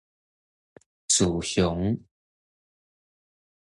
四常